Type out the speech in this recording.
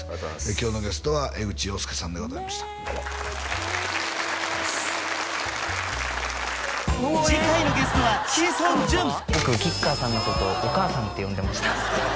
今日のゲストは江口洋介さんでございました次回のゲストは志尊淳僕吉川さんのことお母さんって呼んでました